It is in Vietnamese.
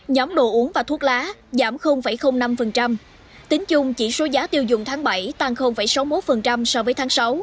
nhóm đồ uống và thuốc lá giảm năm tính chung chỉ số giá tiêu dùng tháng bảy tăng sáu mươi một so với tháng sáu